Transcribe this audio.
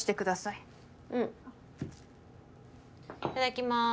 いただきます。